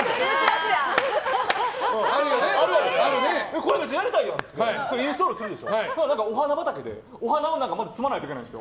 これ、やりたいやん！ってインストールすると、まずお花畑でお花をまずつまなきゃいけないんですよ。